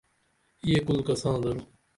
یہ کُل کساں درو؟